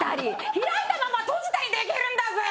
開いたまま閉じたりできるんだぜ！